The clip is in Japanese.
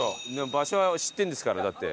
場所は知ってるんですからだって。